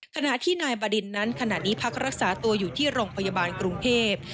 ขณะที่นายบดินนั้นขณะนี้พักรักษาตัวอยู่ที่โรงพยาบาลกรุงเทพ